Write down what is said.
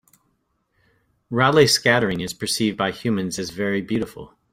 Raleigh scattering is percieved by humans as very beautiful.